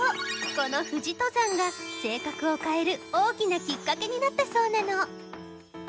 この富士登山が性格を変える大きなきっかけになったそうなの。